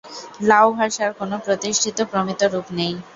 লাও ভাষার কোন প্রতিষ্ঠিত প্রমিত রূপ নেই।